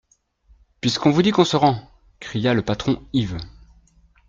Puisqu'on vous dit qu'on se rend ! cria le patron Yves.